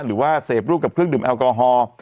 หรือว่าเสพร่วมกับเครื่องดื่มแอลกอฮอล์